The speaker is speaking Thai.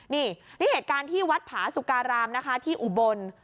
นี่นี่เหตุการณ์ที่วัดผาสุการามนะคะที่อุบล